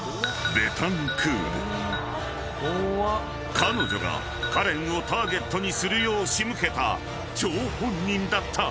［彼女がカレンをターゲットにするようしむけた張本人だった］